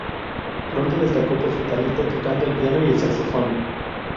Pronto destacó por su talento tocando el piano y el saxofón.